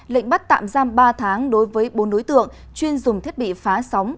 lệnh bắt tạm giam ba tháng đối với bốn đối tượng chuyên dùng thiết bị phá sóng